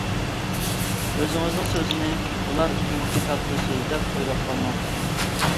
ئۆزىڭىزنىڭ سۆزنى ئۇلار ئۈچۈن كاتتا سۆز دەپ ئويلاپ قالماڭ.